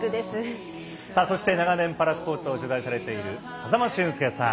さあ、そして長年パラスポーツを取材されている風間俊介さん。